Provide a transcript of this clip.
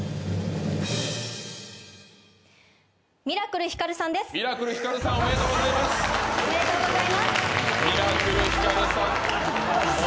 ミラクルひかるさんです。